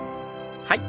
はい。